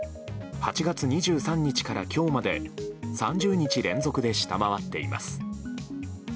８月２３日から今日まで３０日連続で下回っています。